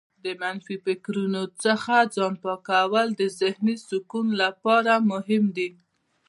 د منفي فکرونو څخه ځان پاکول د ذهنې سکون لپاره مهم دي.